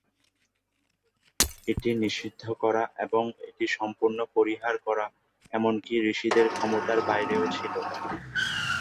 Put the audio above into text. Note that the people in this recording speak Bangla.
এটি নিষিদ্ধ করা এবং এটি সম্পূর্ণ পরিহার করা এমনকি ঋষিদের ক্ষমতার বাইরে ছিল।